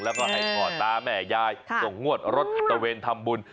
แล้วก็ให้พ่อตาแม่ยายส่งงวดรถตะเวนทำบุญ